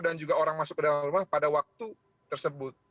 dan juga orang masuk ke dalam rumah pada waktu tersebut